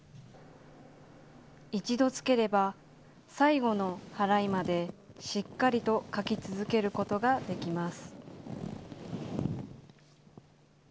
一度つければ、最後のはらいまでしっかりと書き続けることができます。